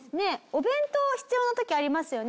お弁当必要な時ありますよね。